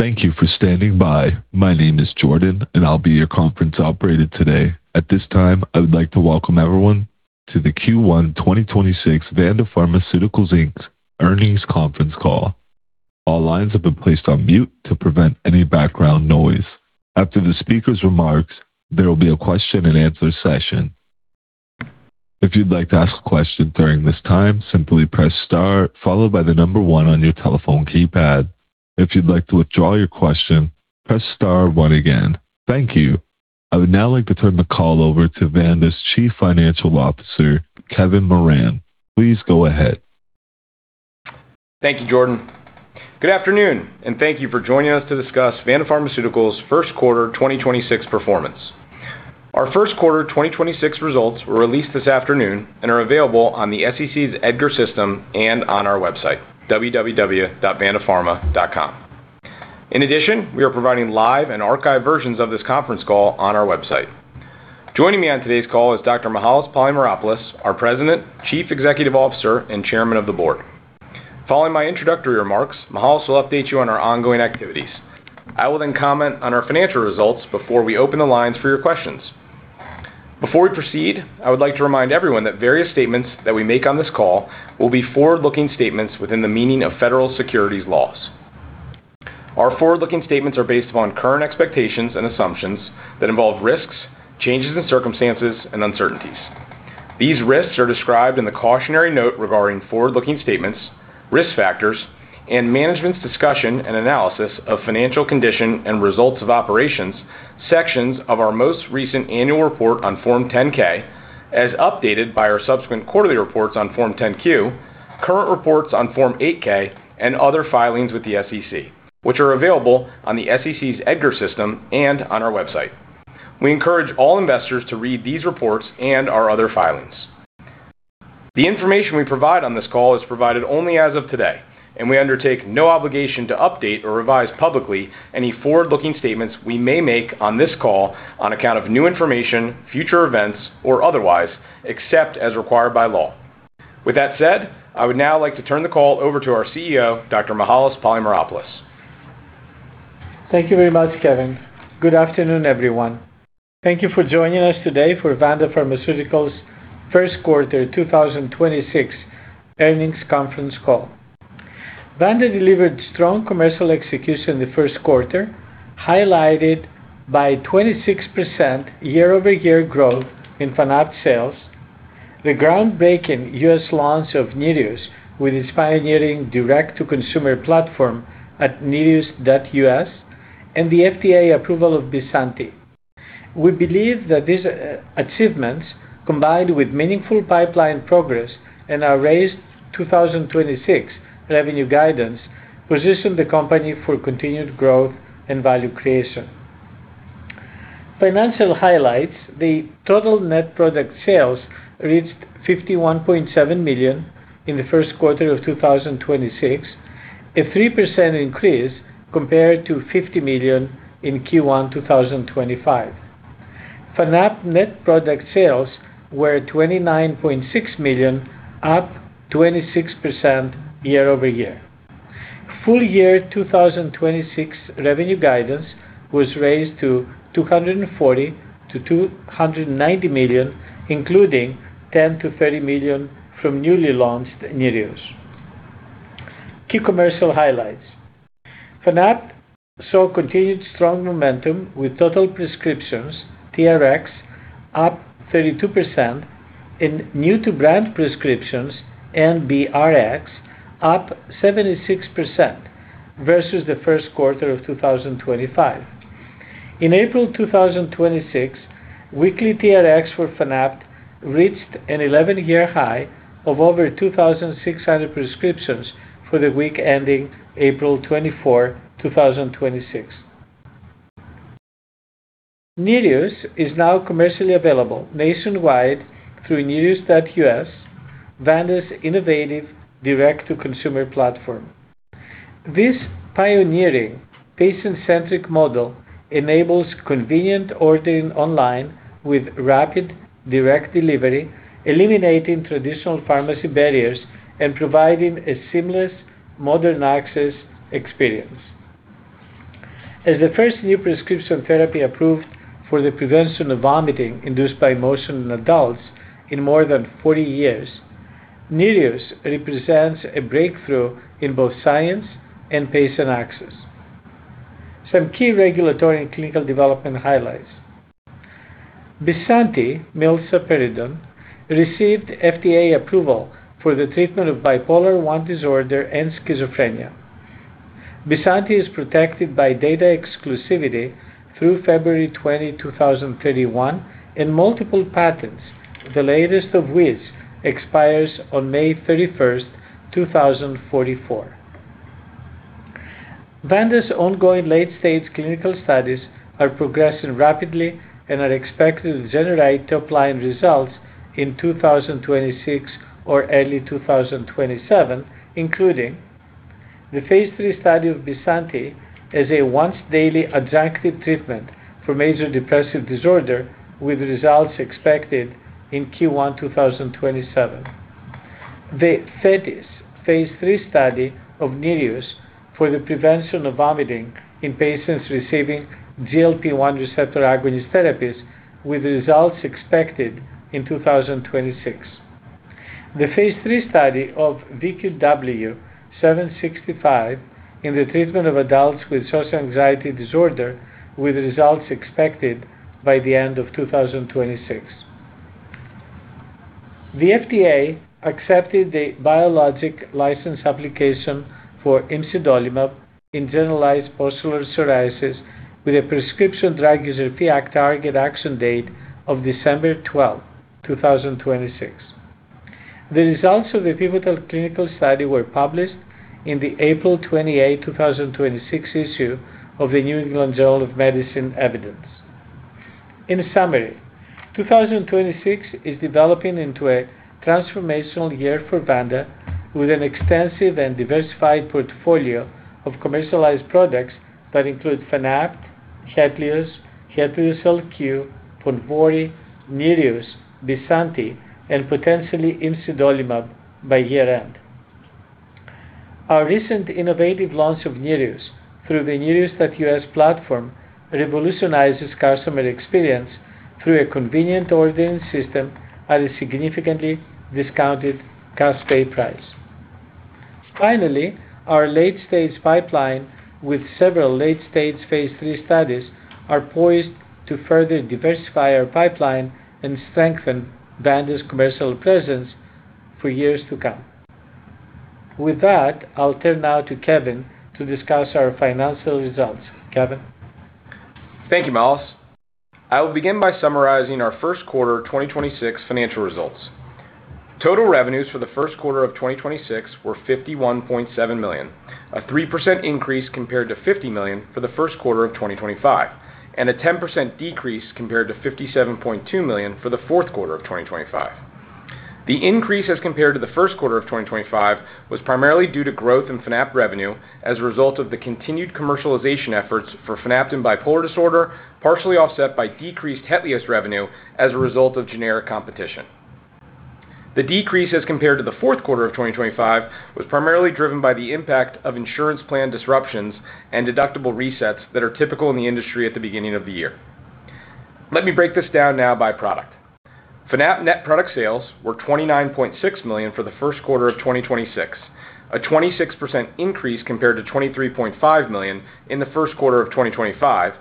Thank you for standing by. My name is Jordan, and I'll be your conference operator today. At this time, I would like to welcome everyone to the Q1 2026 Vanda Pharmaceuticals Inc.'s earnings conference call. All lines have been placed on mute to prevent any background noise. After the speaker's remarks, there will be a question-and-answer session. If you'd like to ask a question during this time, simply press star followed by the 1 on your telephone keypad. If you'd like to withdraw your question, press star one again. Thank you. I would now like to turn the call over to Vanda's Chief Financial Officer, Kevin Moran. Please go ahead. Thank you, Jordan. Good afternoon, and thank you for joining us to discuss Vanda Pharmaceuticals' Q1 2026 performance. Our Q1 2026 results were released this afternoon and are available on the SEC's EDGAR system and on our website, vandapharma.com. In addition, we are providing live and archived versions of this conference call on our website. Joining me on today's call is Dr. Mihael Polymeropoulos, our President, Chief Executive Officer, and Chairman of the Board. Following my introductory remarks, Mihael will update you on our ongoing activities. I will then comment on our financial results before we open the lines for your questions. Before we proceed, I would like to remind everyone that various statements that we make on this call will be forward-looking statements within the meaning of federal securities laws. Our forward-looking statements are based upon current expectations and assumptions that involve risks, changes in circumstances, and uncertainties. These risks are described in the cautionary note regarding forward-looking statements, risk factors, and management's discussion and analysis of financial condition and results of operations, sections of our most recent annual report on Form 10-K, as updated by our subsequent quarterly reports on Form 10-Q, current reports on Form 8-K, and other filings with the SEC, which are available on the SEC's EDGAR system and on our website. We encourage all investors to read these reports and our other filings. The information we provide on this call is provided only as of today, and we undertake no obligation to update or revise publicly any forward-looking statements we may make on this call on account of new information, future events, or otherwise, except as required by law. With that said, I would now like to turn the call over to our CEO, Dr. Mihael Polymeropoulos. Thank you very much, Kevin. Good afternoon, everyone. Thank you for joining us today for Vanda Pharmaceuticals' Q1 2026 earnings conference call. Vanda delivered strong commercial execution in the Q1, highlighted by 26% year-over-year growth in Fanapt sales, the groundbreaking U.S. launch of NEREUS with its pioneering direct-to-consumer platform at nereus.us, and the FDA approval of BYSANTI. We believe that these achievements, combined with meaningful pipeline progress and our raised 2026 revenue guidance, position the company for continued growth and value creation. Financial highlights, the total net product sales reached $51.7 million in the Q1 of 2026, a 3% increase compared to $50 million in Q1 2025. Fanapt net product sales were $29.6 million, up 26% year-over-year. Full year 2026 revenue guidance was raised to $240 million-$290 million, including $10 million-$30 million from newly launched NEREUS. Key commercial highlights. Fanapt saw continued strong momentum with total prescriptions, TRX, up 32% and new-to-brand prescriptions, NBRx, up 76% versus the Q1 of 2025. In April 2026, weekly TRX for Fanapt reached an 11-year high of over 2,600 prescriptions for the week ending April 24th, 2026. NEREUS is now commercially available nationwide through nereus.us, Vanda's innovative direct-to-consumer platform. This pioneering patient-centric model enables convenient ordering online with rapid direct delivery, eliminating traditional pharmacy barriers and providing a seamless modern access experience. As the first new prescription therapy approved for the prevention of vomiting induced by motion in adults in more than 40 years, NEREUS represents a breakthrough in both science and patient access. Some key regulatory and clinical development highlights. BYSANTI, milsaperidone, received FDA approval for the treatment of bipolar I disorder and schizophrenia. BYSANTI is protected by data exclusivity through February 20, 2031 and multiple patents, the latest of which expires on May 31st, 2044. Vanda's ongoing late-stage clinical studies are progressing rapidly and are expected to generate top-line results in 2026 or early 2027, including the phase III study of BYSANTI as a once-daily adjunctive treatment for major depressive disorder with results expected in Q1 2027. The Thetis Phase III study of NEREUS for the prevention of vomiting in patients receiving GLP-1 receptor agonist therapies, with results expected in 2026. The Phase III study of VQW-765 in the treatment of adults with social anxiety disorder, with results expected by the end of 2026. The FDA accepted the biologic license application for imsidolimab in generalized pustular psoriasis with a Prescription Drug User Fee Act target action date of December 12th, 2026. The results of the pivotal clinical study were published in the April 28th, 2026 issue of the New England Journal of Medicine Evidence. In summary, 2026 is developing into a transformational year for Vanda with an extensive and diversified portfolio of commercialized products that include Fanapt, HETLIOZ LQ, PONVORY, NEREUS, BYSANTI and potentially imsidolimab by year-end. Our recent innovative launch of NEREUS through the nereus.us platform revolutionizes customer experience through a convenient ordering system at a significantly discounted cash pay price. Finally, our late-stage pipeline with several late-stage Phase III studies are poised to further diversify our pipeline and strengthen Vanda's commercial presence for years to come. With that, I'll turn now to Kevin to discuss our financial results. Kevin. Thank you, Mihael. I will begin by summarizing our Q1 2026 financial results. Total revenues for the Q1 of 2026 were $51.7 million, a 3% increase compared to $50 million for the Q1 of 2025, and a 10% decrease compared to $57.2 million for the Q4 of 2025. The increase as compared to the Q1 of 2025 was primarily due to growth in Fanapt revenue as a result of the continued commercialization efforts for Fanapt in bipolar I disorder, partially offset by decreased HETLIOZ revenue as a result of generic competition. The decrease as compared to the Q4 of 2025 was primarily driven by the impact of insurance plan disruptions and deductible resets that are typical in the industry at the beginning of the year. Let me break this down now by product. Fanapt net product sales were $29.6 million for the Q1 of 2026, a 26% increase compared to $23.5 million in the Q1 of 2025,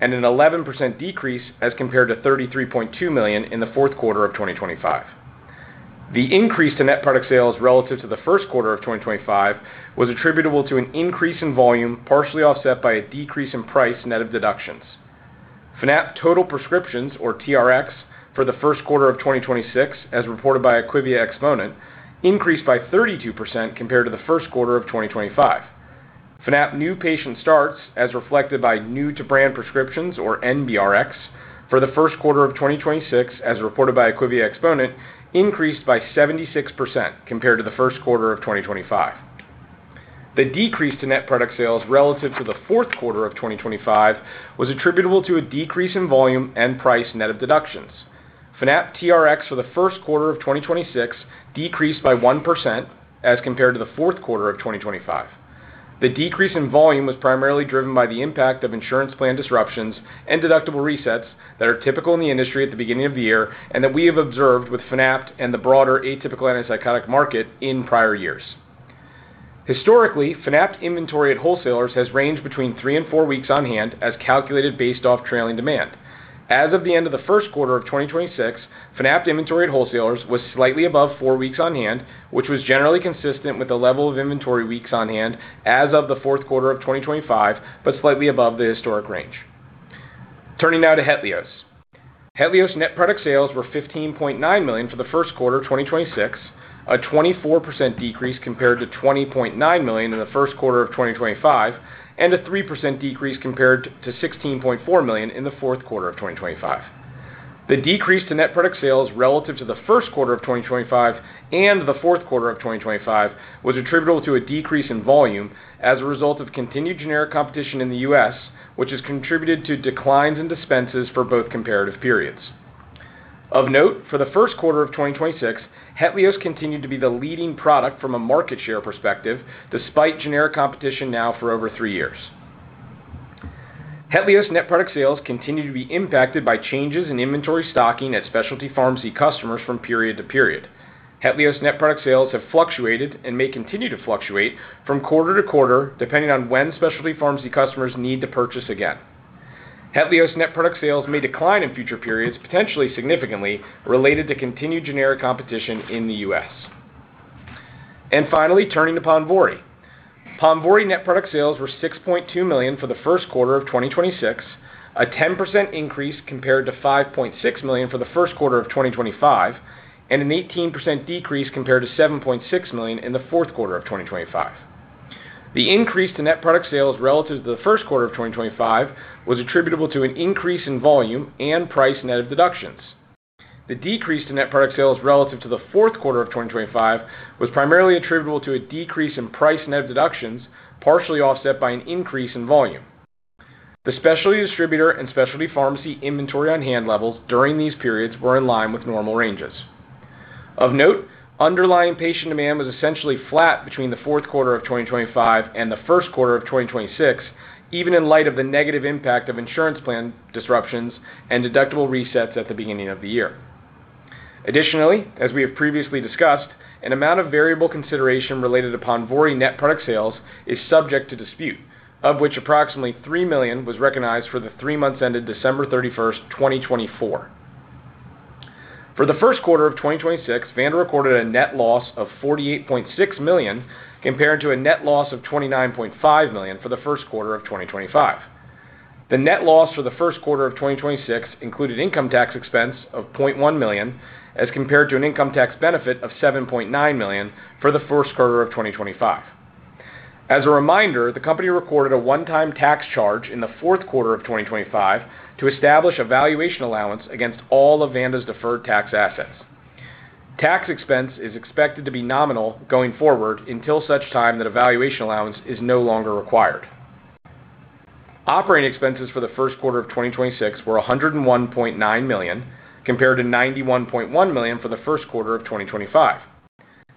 and an 11% decrease as compared to $33.2 million in the Q4 of 2025. The increase to net product sales relative to the Q1 of 2025 was attributable to an increase in volume, partially offset by a decrease in price net of deductions. Fanapt total prescriptions, or TRXs, for the Q1 of 2026, as reported by IQVIA Exponent, increased by 32% compared to the Q1 of 2025. Fanapt new patient starts, as reflected by new to brand prescriptions, or NBRXs, for the Q1 of 2026, as reported by IQVIA Exponent, increased by 76% compared to the Q1 of 2025. The decrease to net product sales relative to the Q4 of 2025 was attributable to a decrease in volume and price net of deductions. Fanapt TRX for the Q1 of 2026 decreased by 1% as compared to the Q4 of 2025. The decrease in volume was primarily driven by the impact of insurance plan disruptions and deductible resets that are typical in the industry at the beginning of the year, and that we have observed with Fanapt and the broader atypical antipsychotic market in prior years. Historically, Fanapt inventory at wholesalers has ranged between three-four weeks on hand, as calculated based off trailing demand. As of the end of the Q1 of 2026, Fanapt inventory at wholesalers was slightly above four weeks on hand, which was generally consistent with the level of inventory weeks on hand as of the Q4 of 2025, but slightly above the historic range. Turning now to HETLIOZ. HETLIOZ net product sales were $15.9 million for the Q1 of 2026, a 24% decrease compared to $20.9 million in the Q1 of 2025, and a 3% decrease compared to $16.4 million in the Q4 of 2025. The decrease to net product sales relative to the Q1 of 2025 and the Q4 of 2025 was attributable to a decrease in volume as a result of continued generic competition in the U.S., which has contributed to declines in dispenses for both comparative periods. Of note, for the Q1 of 2026, HETLIOZ continued to be the leading product from a market share perspective despite generic competition now for over three years. HETLIOZ net product sales continue to be impacted by changes in inventory stocking at specialty pharmacy customers from period to period. HETLIOZ net product sales have fluctuated and may continue to fluctuate from quarter-to-quarter, depending on when specialty pharmacy customers need to purchase again. HETLIOZ net product sales may decline in future periods, potentially significantly, related to continued generic competition in the U.S. Finally, turning to PONVORY. PONVORY net product sales were $6.2 million for the Q1 of 2026, a 10% increase compared to $5.6 million for the Q1 of 2025, and an 18% decrease compared to $7.6 million in the Q4 of 2025. The increase to net product sales relative to the Q1 of 2025 was attributable to an increase in volume and price net of deductions. The decrease to net product sales relative to the Q4 of 2025 was primarily attributable to a decrease in price net of deductions, partially offset by an increase in volume. The specialty distributor and specialty pharmacy inventory on hand levels during these periods were in line with normal ranges. Of note, underlying patient demand was essentially flat between the Q4 of 2025 and the Q1 of 2026, even in light of the negative impact of insurance plan disruptions and deductible resets at the beginning of the year. Additionally, as we have previously discussed, an amount of variable consideration related upon PONVORY net product sales is subject to dispute, of which approximately $3 million was recognized for the three months ended December 31st, 2024. For the Q1 of 2026, Vanda recorded a net loss of $48.6 million, compared to a net loss of $29.5 million for the Q1 of 2025. The net loss for the Q1 of 2026 included income tax expense of $0.1 million, as compared to an income tax benefit of $7.9 million for the Q1 of 2025. As a reminder, the company recorded a one-time tax charge in the Q4 of 2025 to establish a valuation allowance against all of Vanda's deferred tax assets. Tax expense is expected to be nominal going forward until such time that a valuation allowance is no longer required. Operating expenses for the Q1 of 2026 were $101.9 million, compared to $91.1 million for the Q1 of 2025.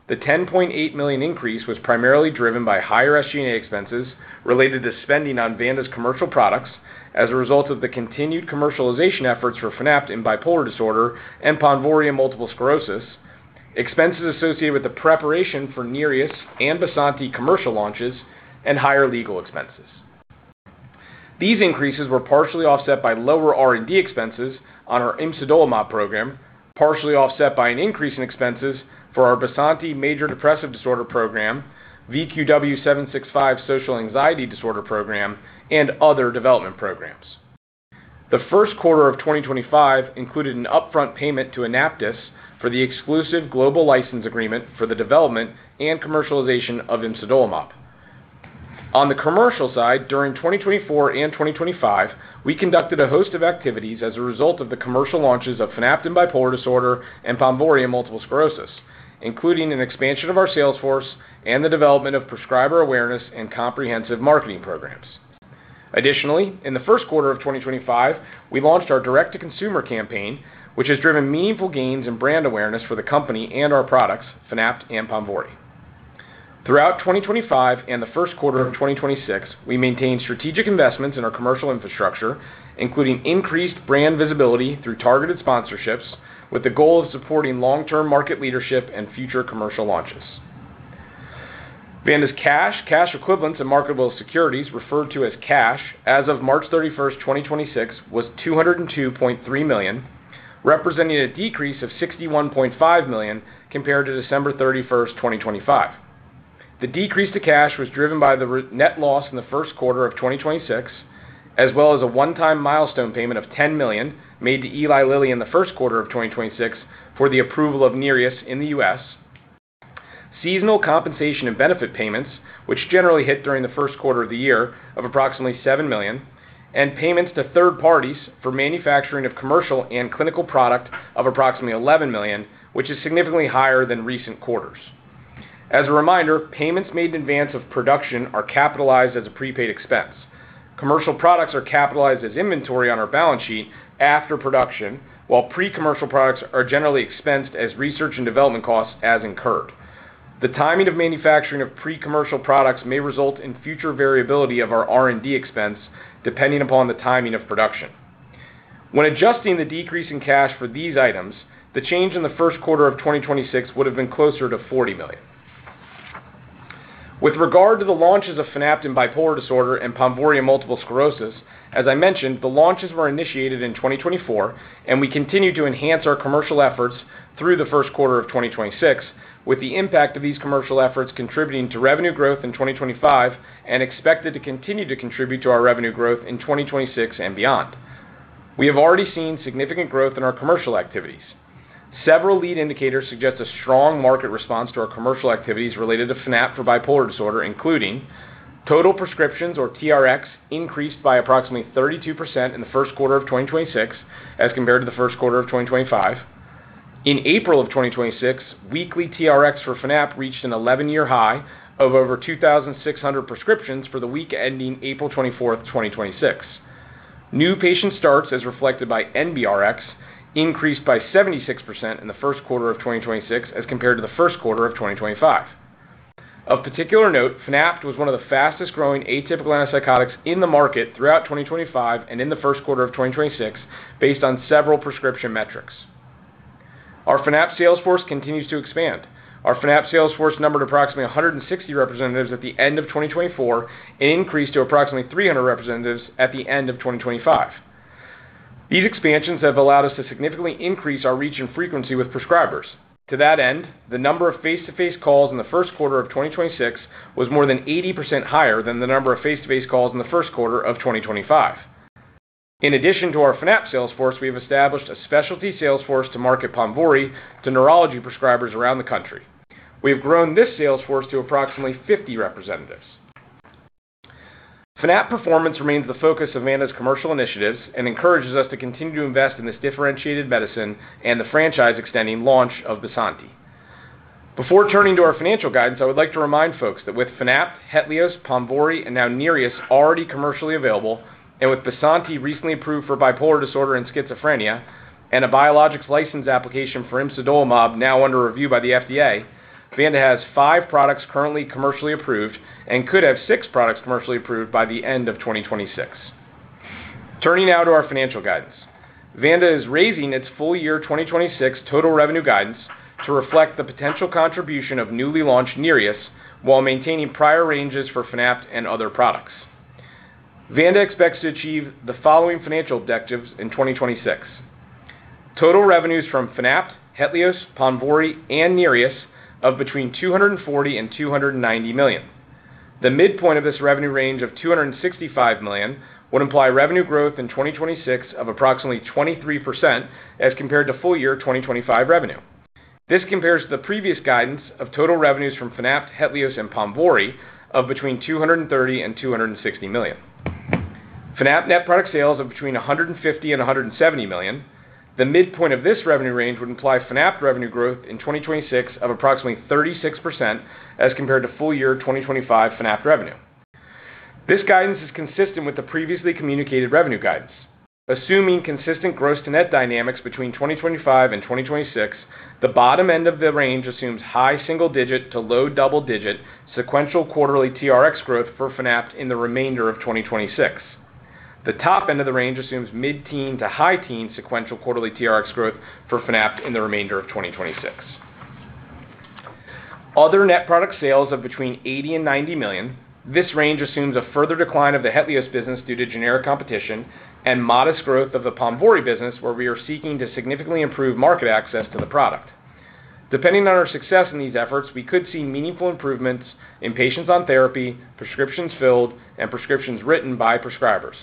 The $10.8 million increase was primarily driven by higher SG&A expenses related to spending on Vanda's commercial products as a result of the continued commercialization efforts for Fanapt in bipolar I disorder and PONVORY in multiple sclerosis, expenses associated with the preparation for NEREUS and BYSANTI commercial launches, and higher legal expenses. These increases were partially offset by lower R&D expenses on our imsidolimab program, partially offset by an increase in expenses for our BYSANTI major depressive disorder program, VQW-765 social anxiety disorder program, and other development programs. The Q1 of 2025 included an upfront payment to AnaptysBio for the exclusive global license agreement for the development and commercialization of imsidolimab. On the commercial side, during 2024 and 2025, we conducted a host of activities as a result of the commercial launches of Fanapt in bipolar I disorder and PONVORY in multiple sclerosis, including an expansion of our sales force and the development of prescriber awareness and comprehensive marketing programs. Additionally, in the Q1 of 2025, we launched our direct-to-consumer campaign, which has driven meaningful gains in brand awareness for the company and our products, Fanapt and PONVORY. Throughout 2025 and the Q1 of 2026, we maintained strategic investments in our commercial infrastructure, including increased brand visibility through targeted sponsorships, with the goal of supporting long-term market leadership and future commercial launches. Vanda's cash equivalents, and marketable securities, referred to as cash, as of March 31st, 2026, was $202.3 million, representing a decrease of $61.5 million compared to December 31, 2025. The decrease to cash was driven by the net loss in the Q1 of 2026, as well as a one-time milestone payment of $10 million made to Eli Lilly in the Q1 of 2026 for the approval of NEREUS in the U.S. Seasonal compensation and benefit payments, which generally hit during the Q1 of the year, of approximately $7 million, and payments to third parties for manufacturing of commercial and clinical product of approximately $11 million, which is significantly higher than recent quarters. As a reminder, payments made in advance of production are capitalized as a prepaid expense. Commercial products are capitalized as inventory on our balance sheet after production, while pre-commercial products are generally expensed as research and development costs as incurred. The timing of manufacturing of pre-commercial products may result in future variability of our R&D expense, depending upon the timing of production. When adjusting the decrease in cash for these items, the change in the Q1 of 2026 would have been closer to $40 million. With regard to the launches of Fanapt in bipolar I disorder and PONVORY in multiple sclerosis, as I mentioned, the launches were initiated in 2024, and we continue to enhance our commercial efforts through the Q1 of 2026, with the impact of these commercial efforts contributing to revenue growth in 2025 and expected to continue to contribute to our revenue growth in 2026 and beyond. We have already seen significant growth in our commercial activities. Several lead indicators suggest a strong market response to our commercial activities related to Fanapt for bipolar I disorder, including total prescriptions, or TRX, increased by approximately 32% in the Q1 of 2026 as compared to the Q1 of 2025. In April of 2026, weekly TRXS for Fanapt reached an 11-year high of over 2,600 prescriptions for the week ending April 24th, 2026. New patient starts, as reflected by NBRxs, increased by 76% in the Q1 of 2026 as compared to the Q1 of 2025. Of particular note, Fanapt was one of the fastest-growing atypical antipsychotics in the market throughout 2025 and in the Q1 of 2026 based on several prescription metrics. Our Fanapt sales force continues to expand. Our Fanapt sales force numbered approximately 160 representatives at the end of 2024 and increased to approximately 300 representatives at the end of 2025. These expansions have allowed us to significantly increase our reach and frequency with prescribers. To that end, the number of face-to-face calls in the Q1 of 2026 was more than 80% higher than the number of face-to-face calls in the Q1 of 2025. In addition to our Fanapt sales force, we have established a specialty sales force to market PONVORY to neurology prescribers around the country. We have grown this sales force to approximately 50 representatives. Fanapt performance remains the focus of Vanda's commercial initiatives and encourages us to continue to invest in this differentiated medicine and the franchise-extending launch of BYSANTI. Before turning to our financial guidance, I would like to remind folks that with Fanapt, HETLIOZ, PONVORY, and now NEREUS already commercially available, and with BYSANTI recently approved for bipolar I disorder and schizophrenia, and a biologics license application for imsidolimab now under review by the FDA, Vanda has five products currently commercially approved and could have 6 products commercially approved by the end of 2026. Turning now to our financial guidance. Vanda is raising its full year 2026 total revenue guidance to reflect the potential contribution of newly launched NEREUS while maintaining prior ranges for Fanapt and other products. Vanda expects to achieve the following financial objectives in 2026. Total revenues from Fanapt, HETLIOZ, PONVORY, and NEREUS of between $240 million and $290 million. The mid-point of this revenue range of $265 million would imply revenue growth in 2026 of approximately 23% as compared to full year 2025 revenue. This compares to the previous guidance of total revenues from Fanapt, HETLIOZ, and PONVORY of between $230 million and $260 million. Fanapt net product sales of between $150 million and $170 million. The midpoint of this revenue range would imply Fanapt revenue growth in 2026 of approximately 36% as compared to full year 2025 Fanapt revenue. This guidance is consistent with the previously communicated revenue guidance. Assuming consistent gross to net dynamics between 2025 and 2026, the bottom end of the range assumes high single-digit to low double-digit sequential quarterly TRX growth for Fanapt in the remainder of 2026. The top end of the range assumes mid-teen to high-teen sequential quarterly TRX growth for Fanapt in the remainder of 2026. Other net product sales of between $80 million and $90 million. This range assumes a further decline of the HETLIOZ business due to generic competition and modest growth of the PONVORY business, where we are seeking to significantly improve market access to the product. Depending on our success in these efforts, we could see meaningful improvements in patients on therapy, prescriptions filled, and prescriptions written by prescribers.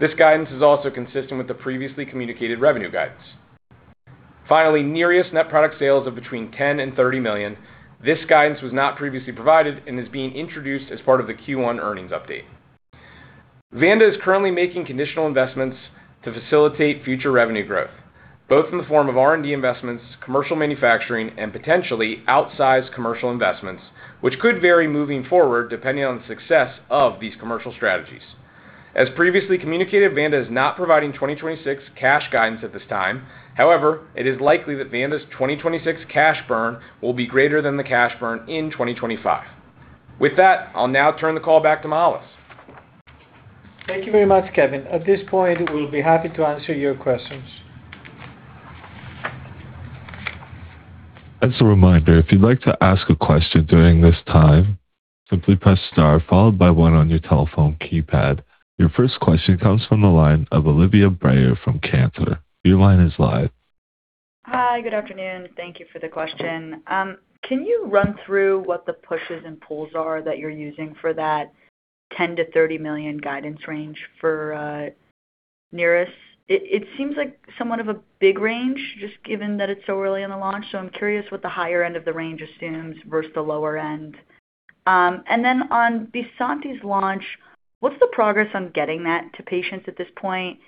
This guidance is also consistent with the previously communicated revenue guidance. Finally, NEREUS net product sales of between $10 million and $30 million. This guidance was not previously provided and is being introduced as part of the Q1 earnings update. Vanda is currently making conditional investments to facilitate future revenue growth, both in the form of R&D investments, commercial manufacturing, and potentially outsized commercial investments, which could vary moving forward depending on the success of these commercial strategies. As previously communicated, Vanda is not providing 2026 cash guidance at this time. However, it is likely that Vanda's 2026 cash burn will be greater than the cash burn in 2025. With that, I'll now turn the call back to Mihael. Thank you very much, Kevin. At this point, we'll be happy to answer your questions. As a reminder, if you'd like to ask a question during this time, simply press star followed by 1 on your telephone keypad. Your first question comes from the line of Olivia Brayer from Cantor Fitzgerald. Your line is live. Hi, good afternoon. Thank you for the question. Can you run through what the pushes and pulls are that you're using for that $10 million-$30 million guidance range for NEREUS? It seems like somewhat of a big range, just given that it's so early in the launch. I'm curious what the higher end of the range assumes versus the lower end. On BYSANTI's launch, what's the progress on getting that to patients at this point?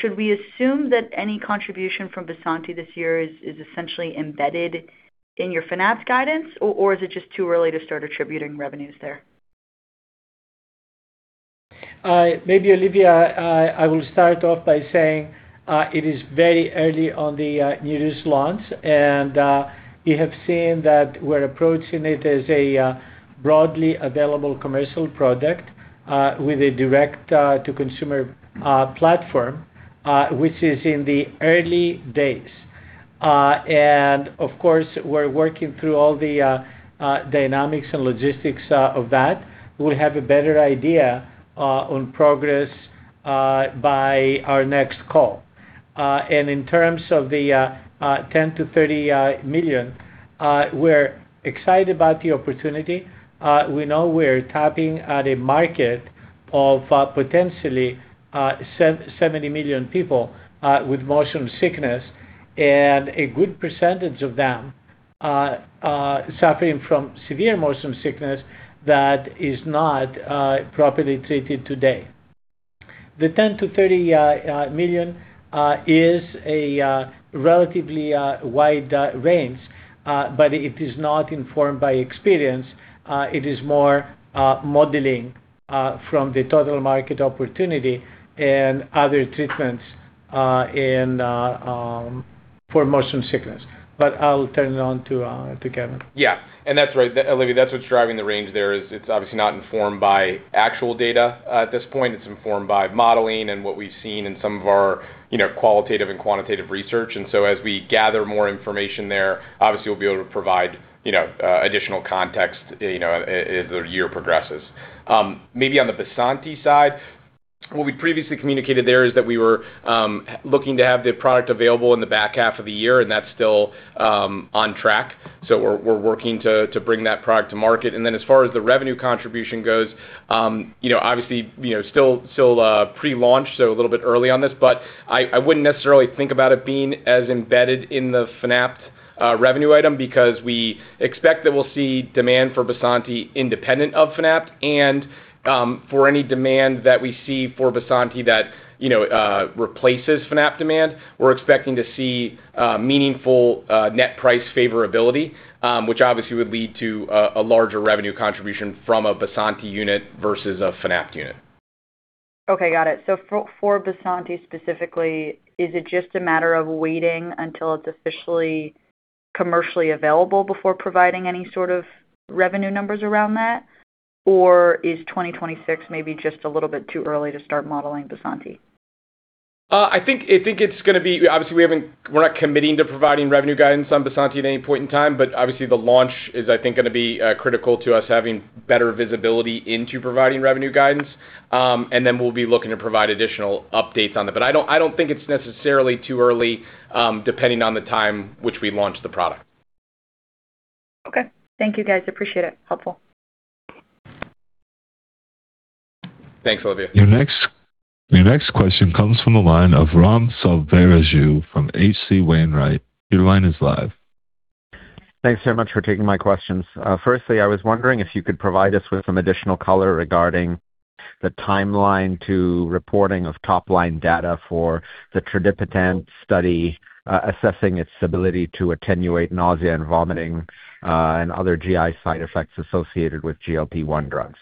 Should we assume that any contribution from BYSANTI this year is essentially embedded in your Fanapt guidance, or is it just too early to start attributing revenues there? Maybe Olivia, I will start off by saying, it is very early on the NEREUS launch, we have seen that we're approaching it as a broadly available commercial product with a direct to consumer platform, which is in the early days. Of course, we're working through all the dynamics and logistics of that. We'll have a better idea on progress by our next call. In terms of the $10 million-$30 million, we're excited about the opportunity. We know we're tapping at a market of potentially 70 million people with motion sickness and a good percentage of them suffering from severe motion sickness that is not properly treated today. The $10 million-$30 million is a relatively wide range, but it is not informed by experience. It is more modeling from the total market opportunity and other treatments for motion sickness. I'll turn it on to Kevin. Yeah. That's right, Olivia, that's what's driving the range there is it's obviously not informed by actual data at this point. It's informed by modeling and what we've seen in some of our, you know, qualitative and quantitative research. As we gather more information there, obviously, we'll be able to provide, you know, additional context, as the year progresses. Maybe on the BYSANTI side, what we previously communicated there is that we were looking to have the product available in the back half of the year, and that's still on track. We're working to bring that product to market. As far as the revenue contribution goes, obviously, still pre-launch, so a little bit early on this, but I wouldn't necessarily think about it being as embedded in the Fanapt revenue item because we expect that we'll see demand for BYSANTI independent of Fanapt. For any demand that we see for BYSANTI that replaces Fanapt demand, we're expecting to see meaningful net price favorability, which obviously would lead to a larger revenue contribution from a BYSANTI unit versus a Fanapt unit. Okay, got it. For BYSANTI specifically, is it just a matter of waiting until it's officially commercially available before providing any sort of revenue numbers around that? Is 2026 maybe just a little bit too early to start modeling BYSANTI? I think it's going to be. Obviously, we're not committing to providing revenue guidance on BYSANTI at any point in time, but obviously the launch is, I think, going to be critical to us having better visibility into providing revenue guidance. We'll be looking to provide additional updates on that. I don't think it's necessarily too early, depending on the time which we launch the product. Okay. Thank you, guys. Appreciate it. Helpful. Thanks, Olivia. Your next question comes from the line of Raghuram Selvaraju from H.C. Wainwright. Your line is live. Thanks so much for taking my questions. Firstly, I was wondering if you could provide us with some additional color regarding the timeline to reporting of top-line data for the tradipitant study, assessing its ability to attenuate nausea and vomiting, and other GI side effects associated with GLP-1 drugs.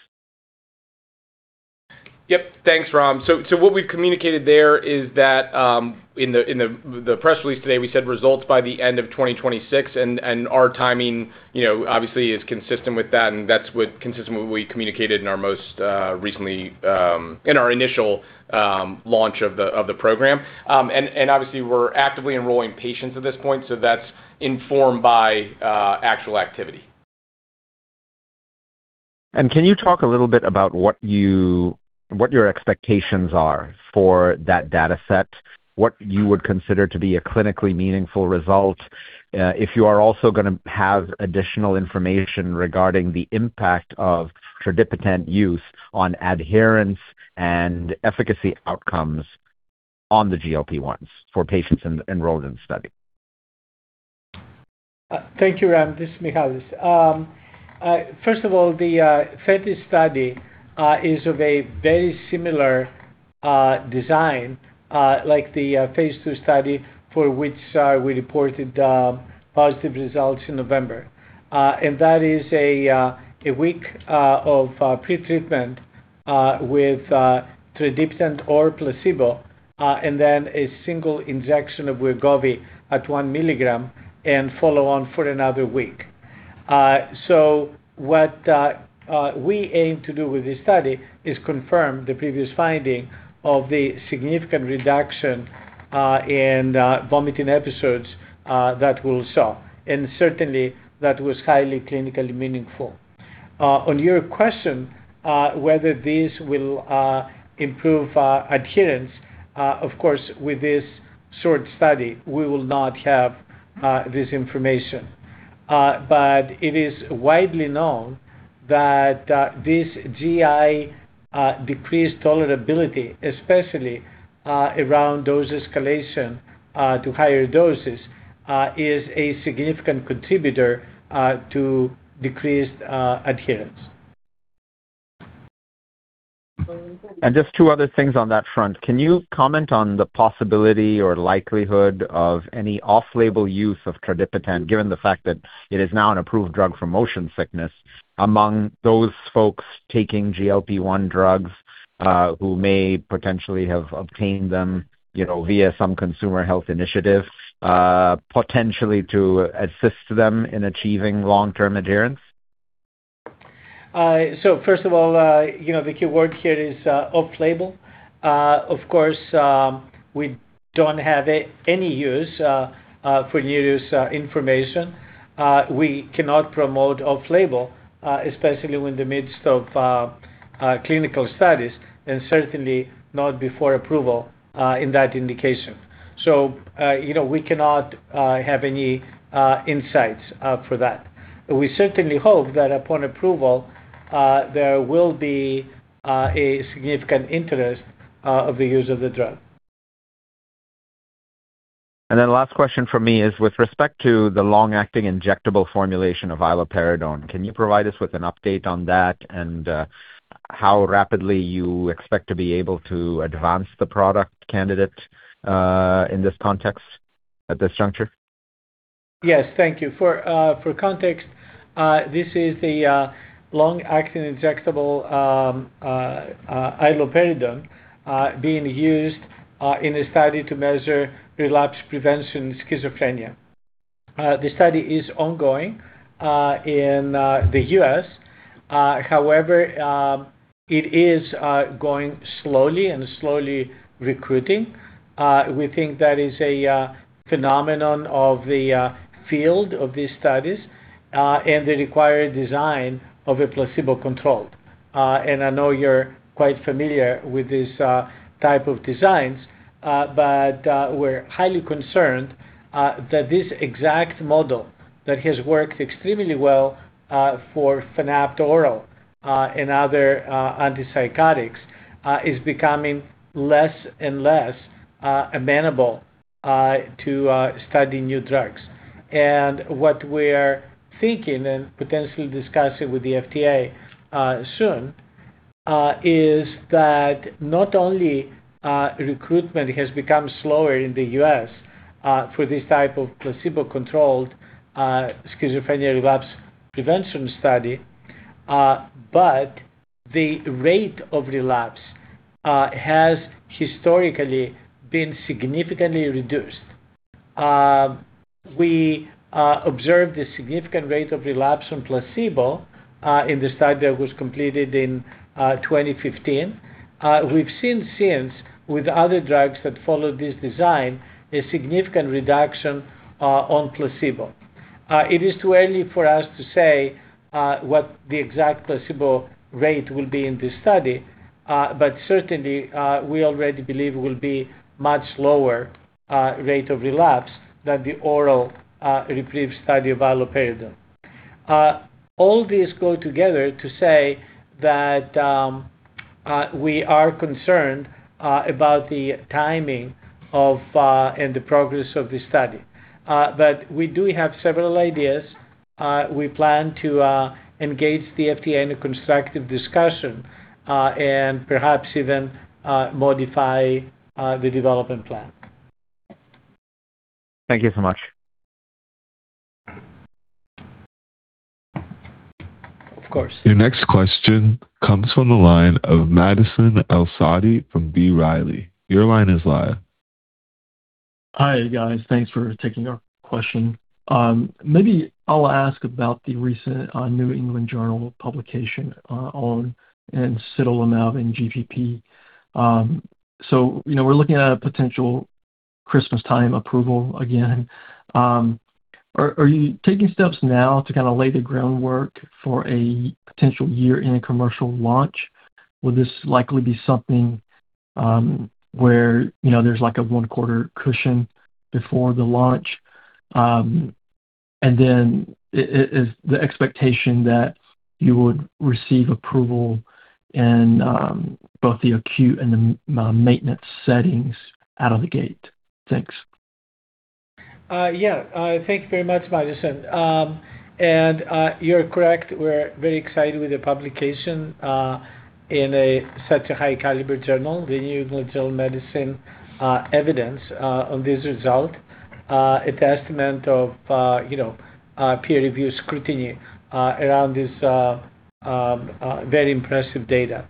Yep. Thanks, Raghuram. What we've communicated there is that in the press release today, we said results by the end of 2026 and our timing, you know, obviously is consistent with that, consistent with what we communicated in our most recently in our initial launch of the program. And obviously we're actively enrolling patients at this point, so that's informed by actual activity. Can you talk a little bit about what your expectations are for that data set? What you would consider to be a clinically meaningful result, if you are also gonna have additional information regarding the impact of tradipitant use on adherence and efficacy outcomes on the GLP-1s for patients enrolled in study? Thank you, Raghuram. This is Mihael. First of all, the Thetis study is of a very similar design like the phase II study for which we reported positive results in November. That is a week of pre-treatment with tradipitant or placebo, and then a single injection of Wegovy at 1 mg and follow on for another week. What we aim to do with this study is confirm the previous finding of the significant reduction in vomiting episodes that we'll saw. Certainly, that was highly clinically meaningful. On your question, whether this will improve adherence, of course, with this short study, we will not have this information. It is widely known that this GI decreased tolerability, especially around dose escalation to higher doses, is a significant contributor to decreased adherence. Just two other things on that front. Can you comment on the possibility or likelihood of any off-label use of tradipitant, given the fact that it is now an approved drug for motion sickness among those folks taking GLP-1 drugs, who may potentially have obtained them, you know, via some consumer health initiative, potentially to assist them in achieving long-term adherence? First of all, you know, the key word here is off-label. Of course, we don't have any use for use information. We cannot promote off-label, especially in the midst of clinical studies, and certainly not before approval in that indication. You know, we cannot have any insights for that. We certainly hope that upon approval, there will be a significant interest of the use of the drug. Last question from me is with respect to the long-acting injectable formulation of iloperidone, can you provide us with an update on that and how rapidly you expect to be able to advance the product candidate in this context at this juncture? Yes. Thank you. For context, this is the long-acting injectable iloperidone being used in a study to measure relapse prevention in schizophrenia. The study is ongoing in the U.S. However, it is going slowly and slowly recruiting. We think that is a phenomenon of the field of these studies and the required design of a placebo-controlled. I know you're quite familiar with this type of designs, but we're highly concerned that this exact model that has worked extremely well for Fanapt and other antipsychotics is becoming less and less amenable to studying new drugs. What we're thinking and potentially discussing with the FDA soon, is that not only recruitment has become slower in the U.S. for this type of placebo-controlled schizophrenia relapse prevention study, but the rate of relapse has historically been significantly reduced. We observed a significant rate of relapse on placebo in the study that was completed in 2015. We've seen since with other drugs that followed this design, a significant reduction on placebo. It is too early for us to say what the exact placebo rate will be in this study, but certainly, we already believe it will be much lower rate of relapse than the oral REPRIEVE study of iloperidone. All these go together to say that we are concerned about the timing of and the progress of the study. We do have several ideas. We plan to engage the FDA in a constructive discussion and perhaps even modify the development plan. Thank you so much. Of course. Your next question comes from the line of Madison El-Saadi from B. Riley. Your line is live. Hi, guys. Thanks for taking our question. Maybe I'll ask about the recent New England Journal publication on imsidolimab in GPP. You know, we're looking at a potential Christmastime approval again. Are you taking steps now to kinda lay the groundwork for a potential year-end commercial launch? Will this likely be something where, you know, there's like a one-quarter cushion before the launch? Is the expectation that you would receive approval in both the acute and the maintenance settings out of the gate? Thanks. Thank you very much, Madison. You're correct. We're very excited with the publication in such a high-caliber journal, the NEJM Evidence, on this result. A testament of, you know, peer review scrutiny around this very impressive data.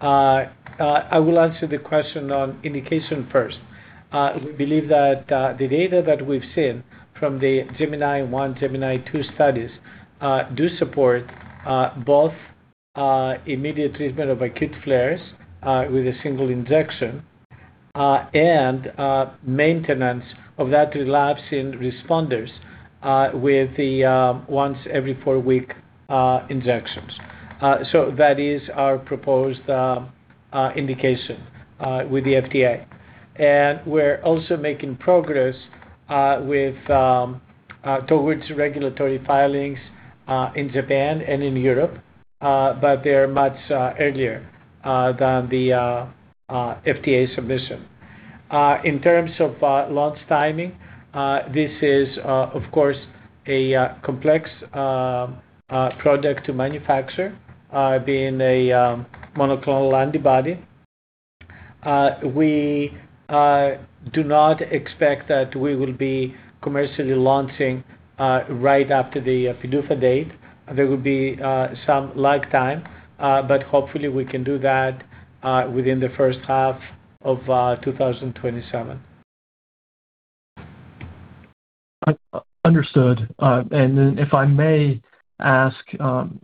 I will answer the question on indication first. We believe that the data that we've seen from the GEMINI 1, GEMINI 2 studies do support both immediate treatment of acute flares with a 1 injection and maintenance of that relapse in responders with the once every 4 week injections. That is our proposed indication with the FDA. We're also making progress with towards regulatory filings in Japan and in Europe, but they're much earlier than the FDA submission. In terms of launch timing, this is of course a complex project to manufacture, being a monoclonal antibody. We do not expect that we will be commercially launching right after the PDUFA date. There will be some lag time, but hopefully we can do that within the first half of 2027. Understood. Then if I may ask, on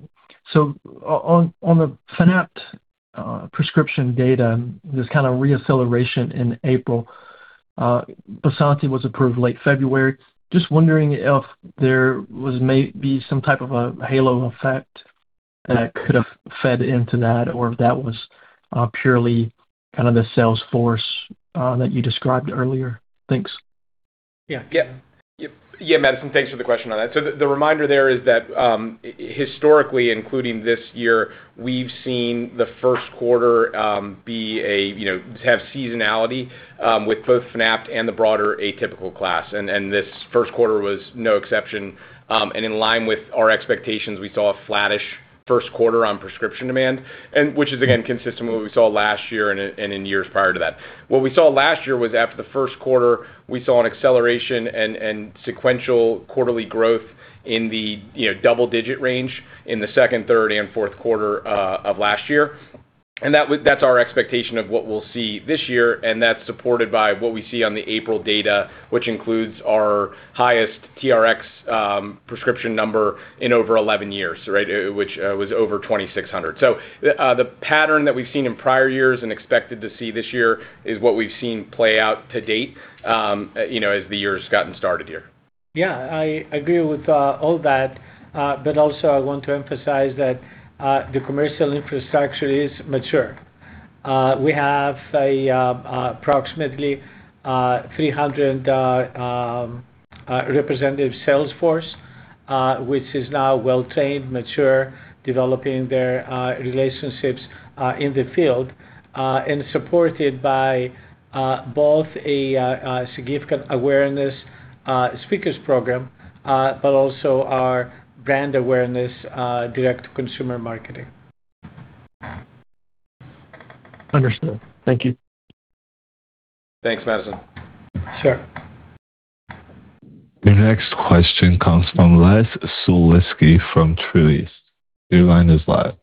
the Fanapt prescription data, this kind of reacceleration in April, BYSANTI was approved late February. Just wondering if there was maybe some type of a halo effect that could have fed into that or if that was purely kind of the sales force that you described earlier. Thanks. Yeah. Madison, thanks for the question on that. The reminder there is that historically, including this year, we've seen the Q1 have seasonality with both Fanapt and the broader atypical class. This Q1 was no exception. In line with our expectations, we saw a flattish Q1 on prescription demand which is again consistent with what we saw last year and in years prior to that. What we saw last year was after the Q1, we saw an acceleration and sequential quarterly growth in the double-digit range in the second, third and Q4 of last year. That's our expectation of what we'll see this year, and that's supported by what we see on the April data, which includes our highest TRX prescription number in over 11 years, which was over 2,600, right? The pattern that we've seen in prior years and expected to see this year is what we've seen play out to date, you know, as the year's gotten started here. Yeah. I agree with all that. Also I want to emphasize that the commercial infrastructure is mature. We have approximately 300 representative sales force, which is now well trained, mature, developing their relationships in the field, and supported by both a significant awareness speakers program, but also our brand awareness direct-to-consumer marketing. Understood. Thank you. Thanks, Madison. Sure. Your next question comes from Les Sulewski from Truist Securities. Your line is live.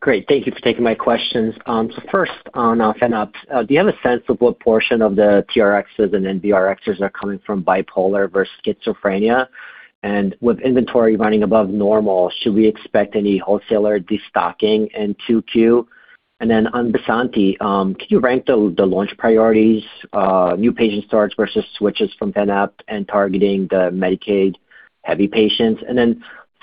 Great. Thank you for taking my questions. 1st on Fanapt, do you have a sense of what portion of the TRXs and NBRx are coming from bipolar versus schizophrenia? With inventory running above normal, should we expect any wholesaler destocking in 2Q? On BYSANTI, can you rank the launch priorities, new patient starts versus switches from Fanapt and targeting the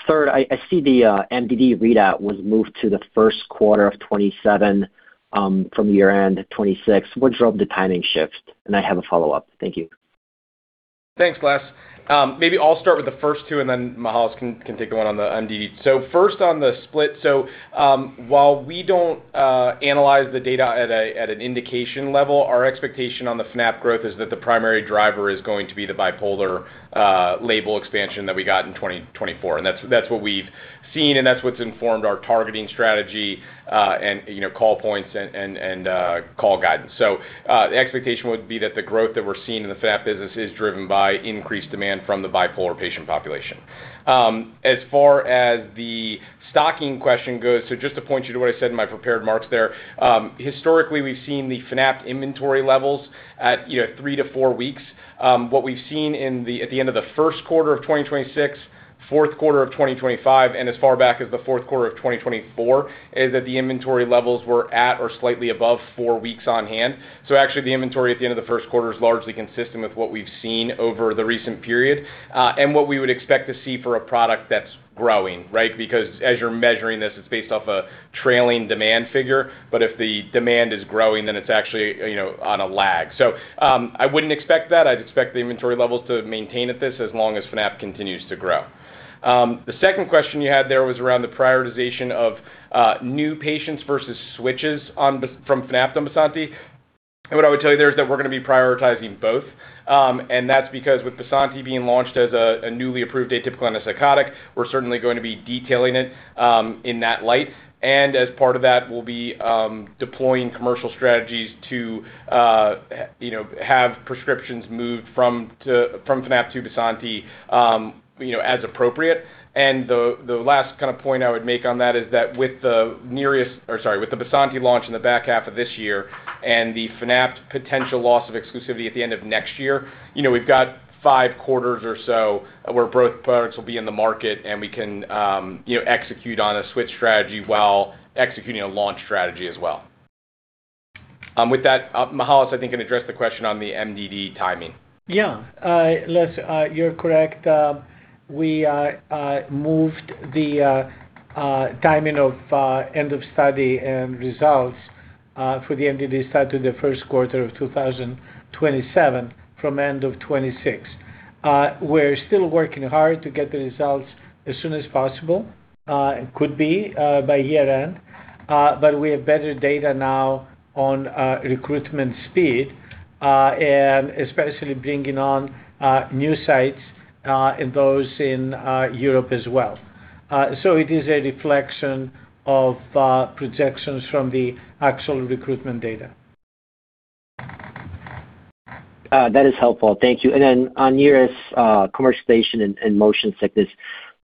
Medicaid-heavy patients? 3rd, I see the MDD readout was moved to the Q1 of 2027 from year-end 2026. What drove the timing shift? I have a follow-up. Thank you. Thanks, Les. Maybe I'll start with the first two, and then Mihalis can take the one on the MDD. First on the split. While we don't analyze the data at an indication level, our expectation on the Fanapt growth is that the primary driver is going to be the bipolar label expansion that we got in 2024. That's what we've seen, and that's what's informed our targeting strategy, and, you know, call points and call guidance. The expectation would be that the growth that we're seeing in the Fanapt business is driven by increased demand from the bipolar patient population. As far as the stocking question goes, just to point you to what I said in my prepared remarks there, historically, we've seen the Fanapt inventory levels at, you know, three to four weeks. What we've seen at the end of the Q1 of 2026, Q4 of 2025, and as far back as the Q4 of 2024, is that the inventory levels were at or slightly above four weeks on hand. Actually, the inventory at the end of the Q1 is largely consistent with what we've seen over the recent period, and what we would expect to see for a product that's growing, right? Because as you're measuring this, it's based off a trailing demand figure, but if the demand is growing, then it's actually, you know, on a lag. I wouldn't expect that. I'd expect the inventory levels to maintain at this as long as Fanapt continues to grow. The second question you had there was around the prioritization of new patients versus switches from Fanapt on BYSANTI. What I would tell you there is that we're gonna be prioritizing both. That's because with BYSANTI being launched as a newly approved atypical antipsychotic, we're certainly going to be detailing it in that light. As part of that, we'll be deploying commercial strategies to, you know, have prescriptions moved from Fanapt to BYSANTI, you know, as appropriate. The last kind of point I would make on that is that with the NEREUS or sorry, with the BYSANTI launch in the back half of this year and the Fanapt potential loss of exclusivity at the end of next year, you know, we've got five quarters or so where both products will be in the market, and we can, you know, execute on a switch strategy while executing a launch strategy as well. With that, Mihalis, I think, can address the question on the MDD timing. Yeah. Les, you're correct. We moved the timing of end of study and results for the MDD study to the Q1 of 2027 from end of 2026. We're still working hard to get the results as soon as possible. It could be by year-end, but we have better data now on recruitment speed, and especially bringing on new sites, and those in Europe as well. It is a reflection of projections from the actual recruitment data. That is helpful. Thank you. On NEREUS, commercialization and motion sickness,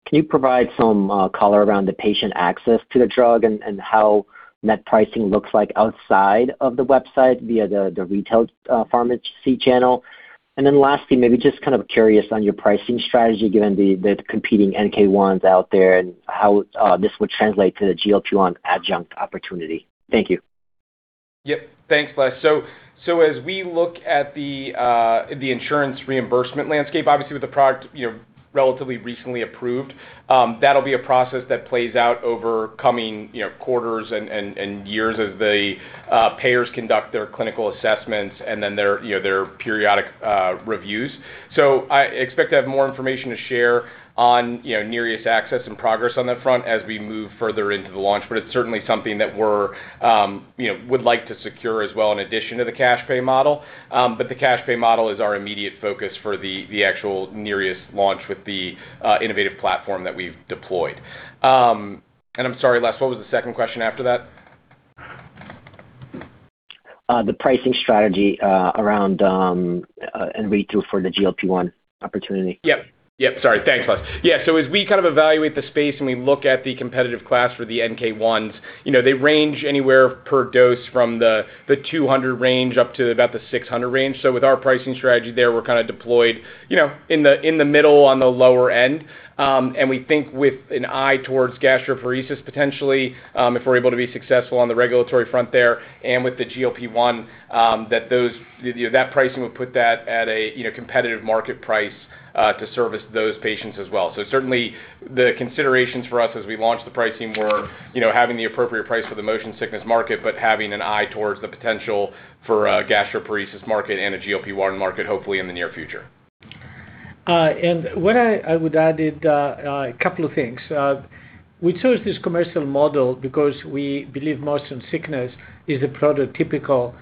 can you provide some color around the patient access to the drug and how net pricing looks like outside of the website via the retail pharmacy channel? Lastly, maybe just kind of curious on your pricing strategy, given the competing NK1s out there and how this would translate to the GLP-1 adjunct opportunity. Thank you. Yep. Thanks, Les. As we look at the insurance reimbursement landscape, obviously with the product, you know, relatively recently approved, that'll be a process that plays out over coming, you know, quarters and years as the payers conduct their clinical assessments and then their, you know, their periodic reviews. I expect to have more information to share on, you know, NEREUS access and progress on that front as we move further into the launch. It's certainly something that we're, you know, would like to secure as well in addition to the cash pay model. The cash pay model is our immediate focus for the actual NEREUS launch with the innovative platform that we've deployed. I'm sorry, Les, what was the second question after that? The pricing strategy, around, and read-through for the GLP-1 opportunity. Yep. Yep, sorry. Thanks, Les. Yeah. As we kind of evaluate the space and we look at the competitive class for the NK1s, you know, they range anywhere per dose from the $200 range up to about the $600 range. With our pricing strategy there, we're kinda deployed, you know, in the, in the middle on the lower end. And we think with an eye towards gastroparesis potentially, if we're able to be successful on the regulatory front there and with the GLP-1, you know, that pricing would put that at a, you know, competitive market price to service those patients as well. Certainly the considerations for us as we launched the pricing were, you know, having the appropriate price for the motion sickness market, but having an eye towards the potential for a gastroparesis market and a GLP-1 market hopefully in the near future. What I would add is a couple of things. We chose this commercial model because we believe motion sickness is a prototypical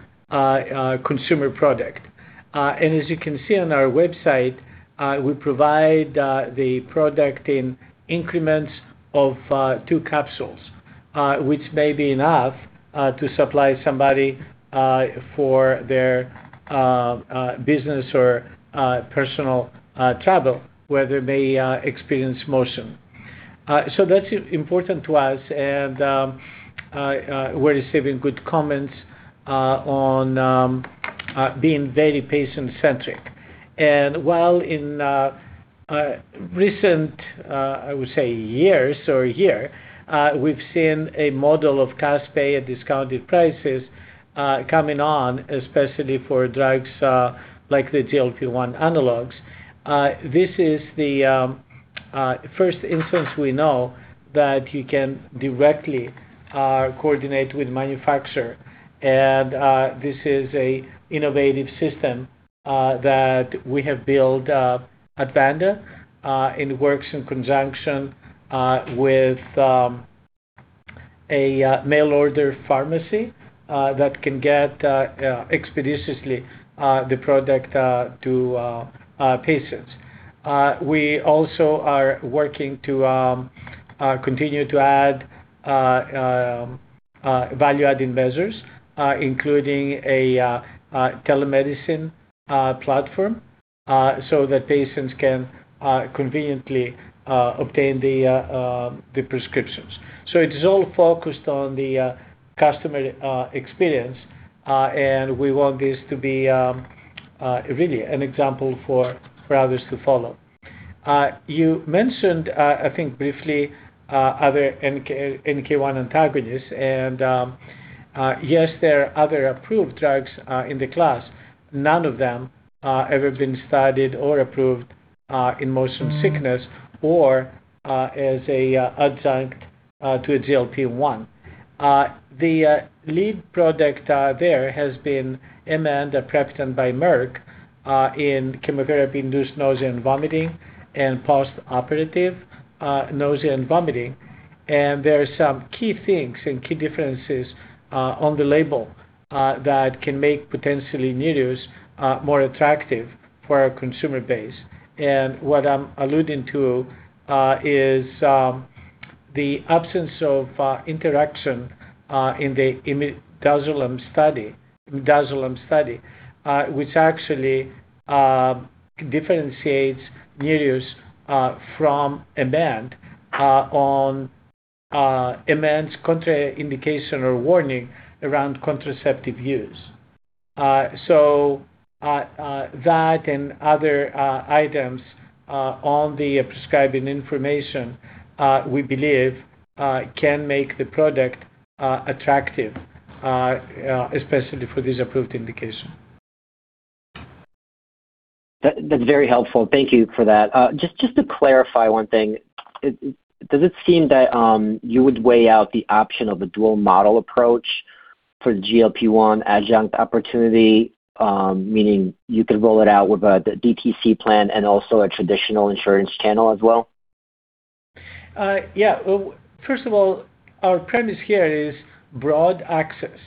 consumer product. As you can see on our website, we provide the product in increments of 2 capsules, which may be enough to supply somebody for their business or personal travel where they may experience motion. So that's important to us and we're receiving good comments on being very patient-centric. While in recent, I would say years or year, we've seen a model of cash pay at discounted prices coming on, especially for drugs like the GLP-1 analogs. This is the first instance we know that you can directly coordinate with manufacturer. This is a innovative system that we have built up at Vanda and works in conjunction with a mail-order pharmacy that can get expeditiously the product to patients. We also are working to continue to add value-adding measures, including a telemedicine platform, so that patients can conveniently obtain the prescriptions. It is all focused on the customer experience and we want this to be really an example for others to follow. You mentioned, I think briefly, other NK1 antagonists and yes, there are other approved drugs in the class. None of them have ever been studied or approved in motion sickness or as a adjunct to a GLP-1. The lead product there has been Emend or aprepitant by Merck in chemotherapy-induced nausea and vomiting and post-operative nausea and vomiting. There are some key things and key differences on the label that can make potentially NEREUS more attractive for our consumer base. What I'm alluding to is the absence of interaction in the ondansetron study, which actually differentiates NEREUS from Emend on Emend's contraindication or warning around contraceptive use. That and other items on the prescribing information, we believe, can make the product attractive especially for this approved indication. That's very helpful. Thank you for that. Just to clarify one thing. Does it seem that you would weigh out the option of a dual model approach for GLP-1 adjunct opportunity? Meaning you could roll it out with a DTC plan and also a traditional insurance channel as well. Well, first of all, our premise here is broad access.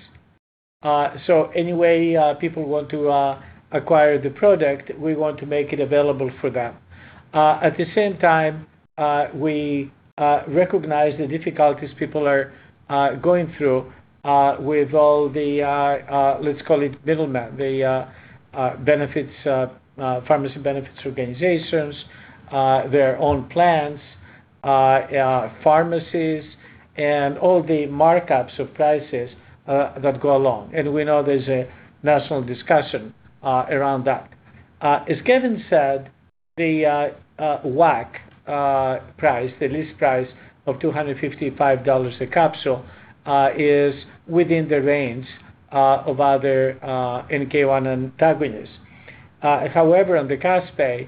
Any way people want to acquire the product, we want to make it available for them. At the same time, we recognize the difficulties people are going through with all the, let's call it middlemen. The benefits, pharmacy benefits organizations, their own plans, pharmacies and all the markups of prices that go along. We know there's a national discussion around that. As Kevin said, the WAC price, the list price of $255 a capsule, is within the range of other NK1 antagonists. However, on the cash pay,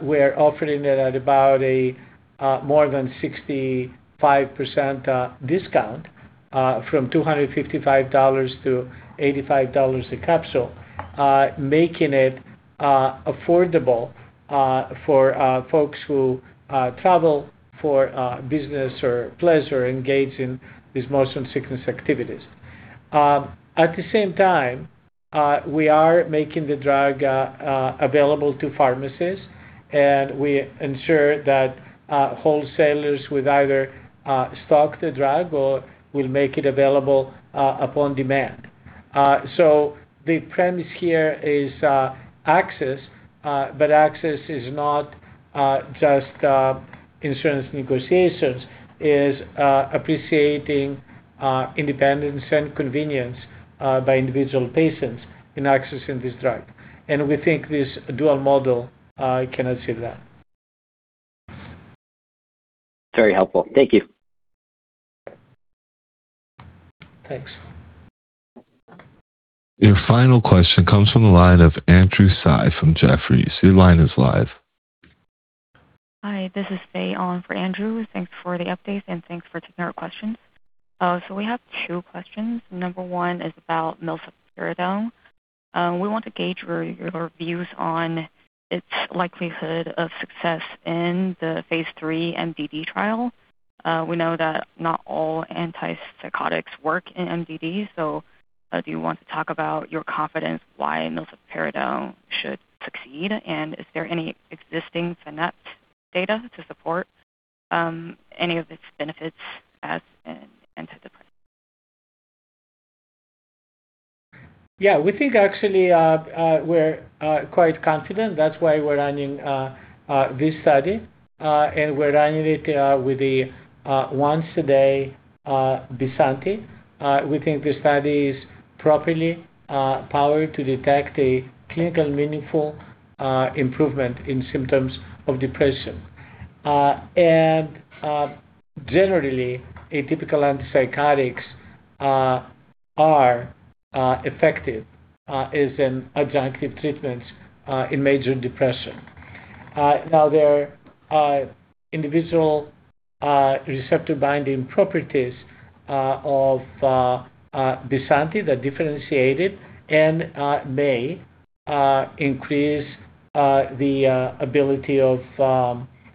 we're offering it at about a more than 65% discount from $255 to $85 a capsule, making it affordable for folks who travel for business or pleasure, engage in these motion sickness activities. At the same time, we are making the drug available to pharmacists, and we ensure that wholesalers will either stock the drug or will make it available upon demand. The premise here is access, but access is not just insurance negotiations. It is appreciating independence and convenience by individual patients in accessing this drug. We think this dual model can achieve that. Very helpful. Thank you. Thanks. Your final question comes from the line of Andrew Tsai from Jefferies. Your line is live. Hi, this is Faye on for Andrew. Thanks for the update, and thanks for taking our questions. We have two questions. Number 1 is about milsaperidone. We want to gauge your views on its likelihood of success in the phase III MDD trial. We know that not all antipsychotics work in MDD, do you want to talk about your confidence why milsaperidone should succeed? Is there any existing Fanapt data to support any of its benefits as an antidepressant? Yeah. We think actually, we're quite confident. That's why we're running this study. We're running it with the once a day BYSANTI. We think the study is properly powered to detect a clinical meaningful improvement in symptoms of depression. Generally, atypical antipsychotics are effective as an adjunctive treatment in major depression. There are individual receptor binding properties of BYSANTI that differentiate it and may increase the ability of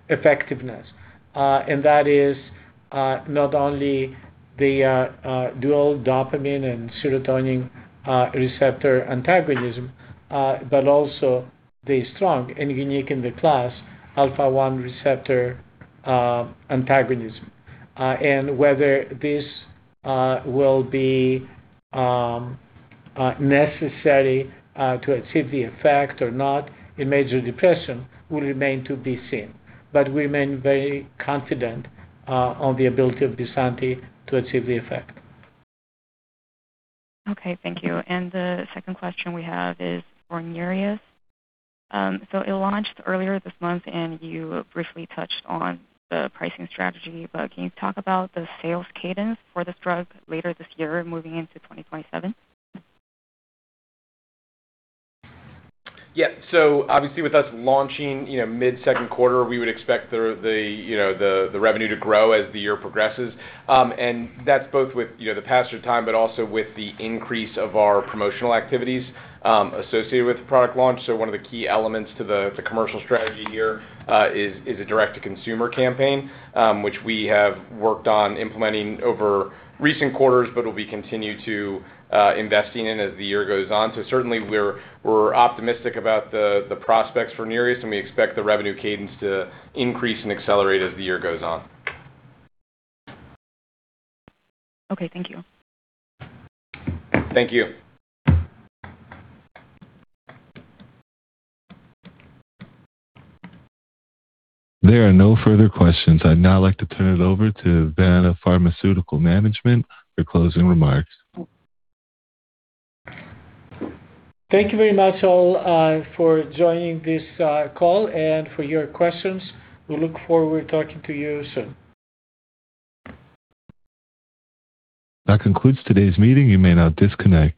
effectiveness. That is not only the dual dopamine and serotonin receptor antagonism, but also the strong and unique in the class alpha-one receptor antagonism. Whether this will be necessary to achieve the effect or not in major depression will remain to be seen. We remain very confident on the ability of BYSANTI to achieve the effect. Okay. Thank you. The second question we have is for NEREUS. It launched earlier this month, and you briefly touched on the pricing strategy, but can you talk about the sales cadence for this drug later this year moving into 2027? Yeah. Obviously with us launching, you know, mid Q2, we would expect, you know, the revenue to grow as the year progresses. That's both with, you know, the passage of time but also with the increase of our promotional activities associated with the product launch. One of the key elements to the commercial strategy here is a direct-to-consumer campaign which we have worked on implementing over recent quarters but will be continued to investing in as the year goes on. Certainly we're optimistic about the prospects for NEREUS, and we expect the revenue cadence to increase and accelerate as the year goes on. Okay. Thank you. Thank you. There are no further questions. I'd now like to turn it over to Vanda Pharmaceuticals management for closing remarks. Thank you very much all for joining this call and for your questions. We look forward to talking to you soon. That concludes today's meeting. You may now disconnect.